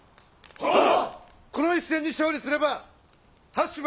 はっ！